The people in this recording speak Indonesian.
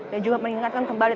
dan juga mengingatkan kembali